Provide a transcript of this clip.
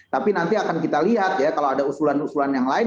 tapi nanti akan kita lihat ya kalau ada usulan usulan yang lain